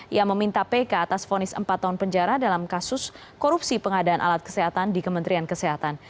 ia meminta pk atas fonis empat tahun penjara dalam kasus korupsi pengadaan alat kesehatan di kementerian kesehatan